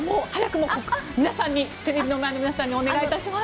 では、テレビの前の皆さんにお願いします。